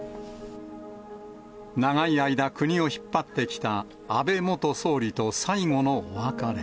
長い間、国を引っ張ってきた安倍元総理と最後のお別れ。